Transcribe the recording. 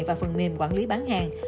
và phần mềm quản lý bán hàng